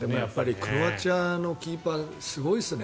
クロアチアのキーパーすごいですね。